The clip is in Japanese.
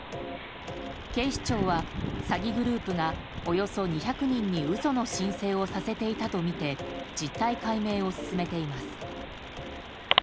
警視庁は詐欺グループがおよそ２００人に嘘の申請をさせていたとみて実態解明を進めています。